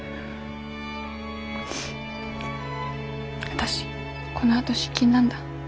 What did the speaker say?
私このあと出勤なんだ。